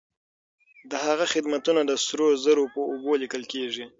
د هغه خدمتونه د سرو زرو په اوبو ليکل کيږي.